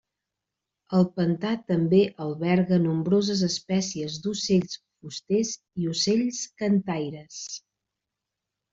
El pantà també alberga nombroses espècies d'ocells fusters i ocells cantaires.